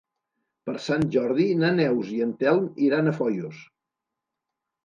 Per Sant Jordi na Neus i en Telm iran a Foios.